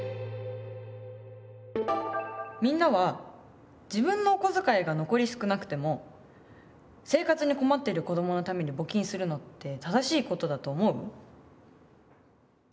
みんなは自分のお小遣いが残り少なくても生活に困ってる子どものために募金するのって「正しい」ことだと思う？